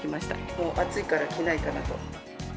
もう暑いから着ないかなと。